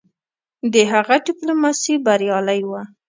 د هغه ډيپلوماسي بریالی وه.